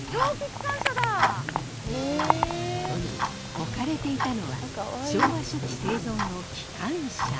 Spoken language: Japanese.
置かれていたのは昭和初期製造の機関車。